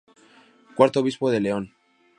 Cuarto Obispo de León.